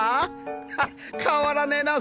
ハッ変わらねえなあ